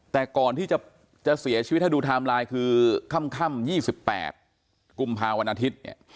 แต่ก่อนที่จะเสียชีวิตถ้าดูไทม์ไลน์คือค่ำ๒๘กุมภาวันอาทิตย์เนี่ย